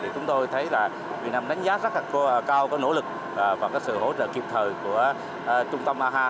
chúng tôi thấy là việt nam đánh giá rất là cao cái nỗ lực và cái sự hỗ trợ kịp thời của trung tâm aha